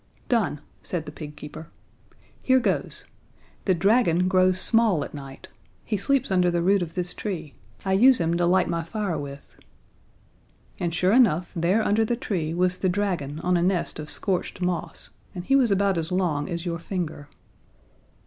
"Done," said the pig keeper. "Here goes! The dragon grows small at night! He sleeps under the root of this tree. I use him to light my fire with." And, sure enough, there under the tree was the dragon on a nest of scorched moss, and he was about as long as your finger.